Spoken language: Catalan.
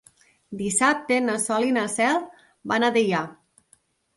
Dissabte na Sol i na Cel van a Deià.